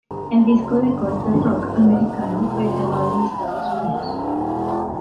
El disco de corte rock americano fue grabado en Estados Unidos.